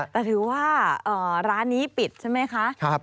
แต่ถือว่าร้านนี้ปิดใช่ไหมคะ